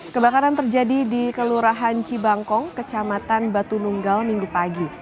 kebakaran terjadi di kelurahan cibangkong kecamatan batu nunggal minggu pagi